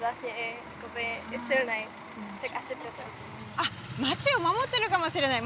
あ街を守ってるかもしれない。